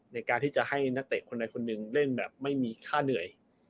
ในการที่จะให้นักเตะคนใดคนหนึ่งเล่นแบบไม่มีค่าเหนื่อย